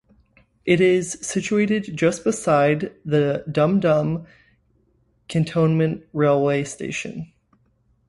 It is situated just beside the Dum Dum Cantonment railway station.